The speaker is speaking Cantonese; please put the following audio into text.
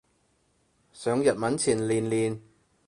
上日文前練練